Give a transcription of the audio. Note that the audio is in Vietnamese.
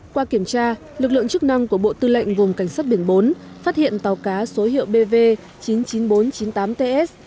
qua kiểm tra lực lượng chức năng của bộ tư lệnh vùng cảnh sát biển bốn phát hiện tàu cá số hiệu bv chín mươi chín nghìn bốn trăm chín mươi tám ts